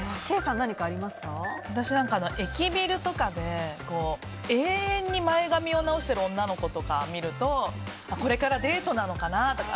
私、駅ビルとかで永遠に前髪を直してる女の子とか見るとこれからデートなのかなとか